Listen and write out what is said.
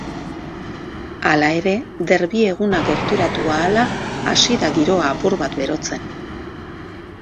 Hala ere, derbi eguna gerturatu ahala hasi da giroa apur bat berotzen.